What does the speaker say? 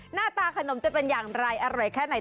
หน้าตาขนมจะเป็นอย่างไรอร่อยแค่ไหน